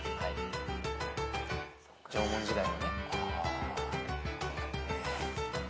縄文時代のね。